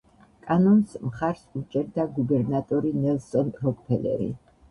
კანონს მხარს უჭერდა გუბერნატორი ნელსონ როკფელერი.